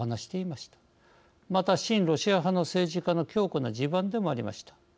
また、親ロシア派の政治家の強固な地盤でもありました。